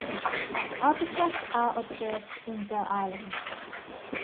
Albatross are observed in the islands.